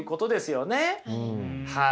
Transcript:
はい。